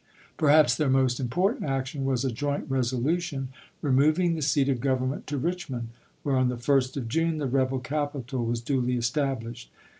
Perhaps theii* most important action was a A ^pp ^is!; joint resolution removing the seat of government ^^'^' to Kichmond, where on the 1st of June the rebel capital was duly established.